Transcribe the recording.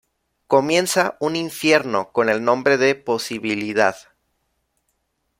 Comienza un infierno con el nombre de posibilidad.